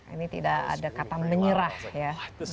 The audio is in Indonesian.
ini tidak ada kata menyerah ya